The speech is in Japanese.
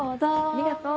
ありがとう。